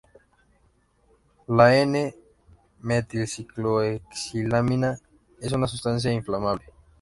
La "N"-metilciclohexilamina es una sustancia inflamable.